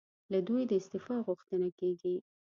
له دوی د استعفی غوښتنه کېږي.